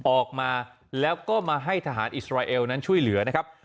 ออกมาแล้วก็มาให้ทหารอิสราเอลนั้นช่วยเหลือนะครับ